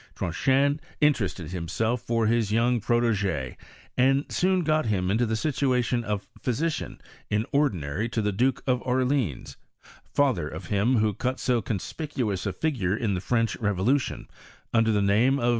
Tronchin in terested himself for his young protegee, and soon. got him into the situation of physician in ordinary to the Duke of Orleans, father of him who cut so conspicuous a figure in the French revolution, under the name of M.